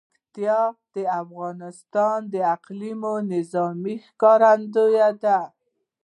پکتیا د افغانستان د اقلیمي نظام ښکارندوی ده.